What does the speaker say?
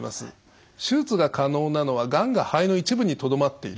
手術が可能なのはがんが肺の一部にとどまっている。